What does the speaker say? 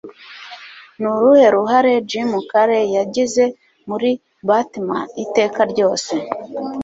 Ni uruhe ruhare Jim Carrey yagize muri Batman Iteka ryose